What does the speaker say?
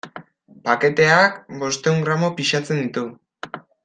Paketeak bostehun gramo pisatzen ditu.